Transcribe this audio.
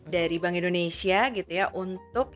dari bank indonesia gitu ya untuk